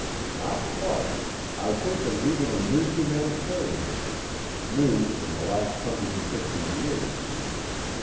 "Not quite. I think there's even a new humanitarianism, new in the last hundred and fifty years.